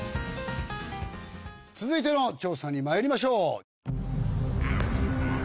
続いての調査に参りましょう。